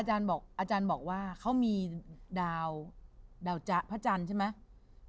อาจารย์บอกว่าเขามีดาวเดาจ๊ะพระจันทร์ใช่ไหม